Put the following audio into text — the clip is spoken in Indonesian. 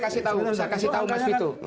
saya kasih tahu mas vitu